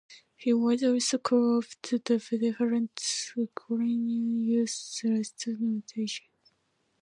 He was also called up to the different Ukrainian youth representations.